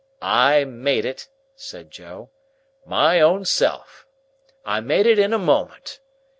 "I made it," said Joe, "my own self. I made it in a moment.